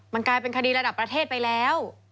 มันกลายเป็นคดีระดับประเทศไปแล้ว